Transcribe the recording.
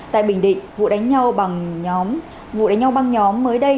tại bình định vụ đánh nhau bằng nhóm mới đây